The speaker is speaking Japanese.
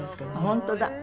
本当だ。